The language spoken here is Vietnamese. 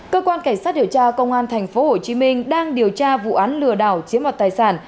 cơ quan cảnh sát điều tra công an tp hcm đang điều tra vụ án lừa đảo chiếm mặt tài sản